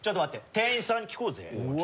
店員さんに聞こうぜ。